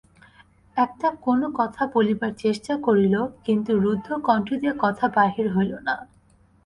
একটা-কোনো কথা বলিবার চেষ্টা করিল, কিন্তু রুদ্ধ কণ্ঠ দিয়া কথা বাহির হইল না।